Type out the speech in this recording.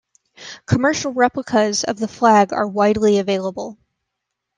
Commercial replicas of the flag are widely available.